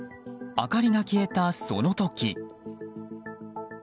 明かりが消えたその時。